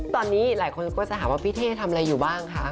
ตอนนี้หลายคนก็จะถามว่าพี่เท่ทำอะไรอยู่บ้างคะ